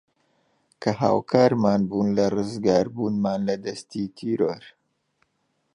کە هاوکارمان بوون لە رزگاربوونمان لە دەستی تیرۆر